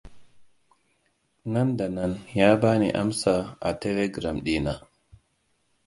Nan da nan ya bani amsa a telegram ɗina.